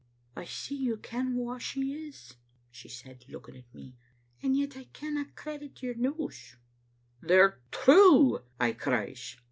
" 'I see you ken wha she is,' she said, looking at me, •and yet I canna credit your news.' "'They're true,' I cries.